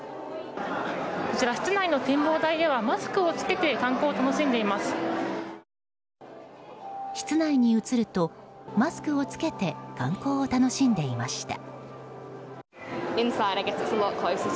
こちら室内の展望台ではマスクを着けて室内に移るとマスクを着けて観光を楽しんでいました。